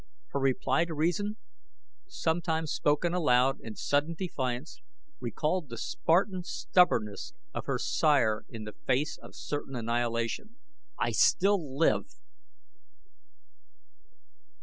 Her reply to reason, sometime spoken aloud in sudden defiance, recalled the Spartan stubbornness of her sire in the face of certain annihilation: "I still live!"